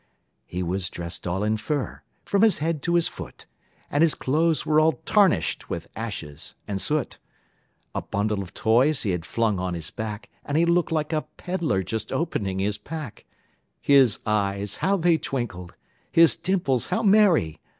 He was dressed all in fur from his head to his foot, And his clothes were all tarnished with ashes and soot; A bundle of toys he had flung on his back, And he looked like a peddler just opening his pack; His eyes how they twinkled! his dimples how merry!